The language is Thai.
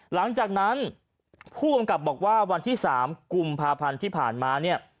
หลังจากนั้นผู้กำกับบอกว่าวันที่๓กุมภาพันธ์ที่ผ่านมาเนี่ย